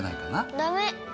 ダメ！